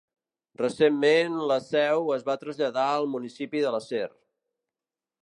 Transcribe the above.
Recentment, la seu es va traslladar al municipi de l'acer.